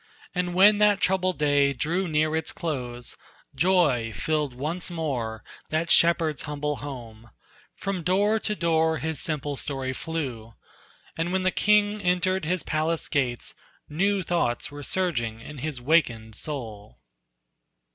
And when that troubled day drew near its close, Joy filled once more that shepherd's humble home, From door to door his simple story flew, And when the king entered his palace gates, New thoughts were surging in his wakened soul.